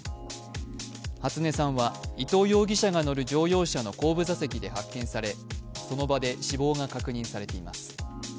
初音さんは伊藤容疑者が乗る乗用車の後部座席で発見されその場で死亡が確認されています。